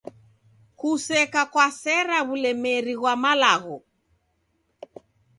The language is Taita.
Kuseka kwasera w'ulemeri ghwamalagho.